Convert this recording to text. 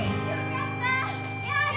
やった！